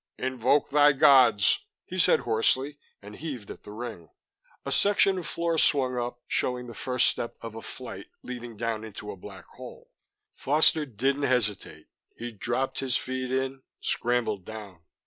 "Invoke thy gods," he said hoarsely, and heaved at the ring. A section of floor swung up, showing the first step of a flight leading down into a black hole. Foster didn't hesitate; he dropped his feet in, scrambled down.